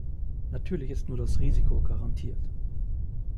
Natürlich ist nur das Risiko garantiert.